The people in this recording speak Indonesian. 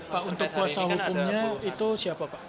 pak untuk kuasa hukumnya itu siapa pak